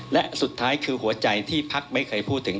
และสุดท้ายคือหัวใจที่พักไม่เคยพูดถึง